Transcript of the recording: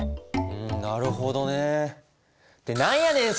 うんなるほどね。って何やねん！